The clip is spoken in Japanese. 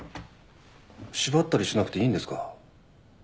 縛ったりしなくていいんですか？